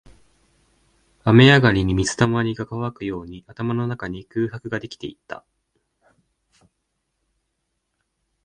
雨上がりに水溜りが乾くように、頭の中に空白ができていった